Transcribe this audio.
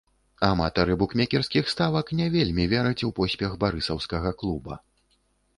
Аматары букмекерскіх ставак не вельмі вераць у поспех барысаўскага клуба.